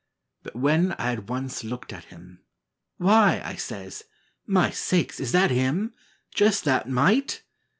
But when I had once looked at him, "Why!" I says, "My sakes, is that him? Just that mite!"